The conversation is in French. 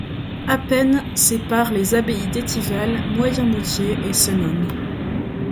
À peine séparent les abbayes d'Étival, Moyenmoutier et Senones.